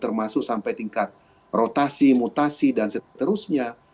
termasuk sampai tingkat rotasi mutasi dan seterusnya